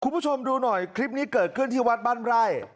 คุณผู้ชมดูหน่อยคลิปนี้เกิดขึ้นที่วัดบ้านไร่